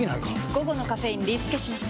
午後のカフェインリスケします！